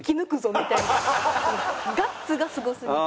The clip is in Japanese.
みたいなガッツがすごすぎて。